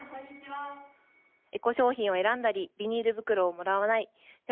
エコ商品を選んだりビニール袋をもらわないフェア